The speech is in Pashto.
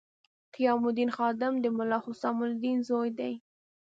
قیام الدین خادم د ملا حسام الدین زوی دی.